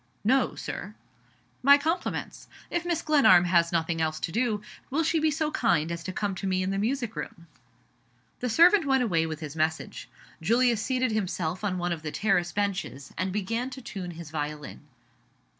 "No, Sir." "My compliments. If Mrs. Glenarm has nothing else to do, will she be so kind as to come to me in the music room?" The servant went away with his message. Julius seated himself on one of the terrace benches, and began to tune his violin.